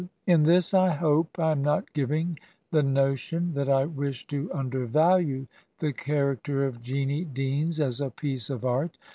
n In this I hope I am not giving the notion that I wish to undervalue the character of Jeanie Deans as a piece of art.